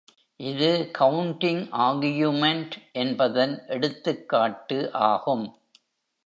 இது counting argument என்பதன் எடுத்துக்காட்டு ஆகும்.